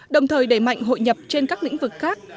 đồng thời đẩy mạnh hội nhập trên các lĩnh vực khác